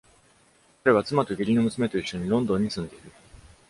彼は妻と義理の娘と一緒にロンドンに住んでいる。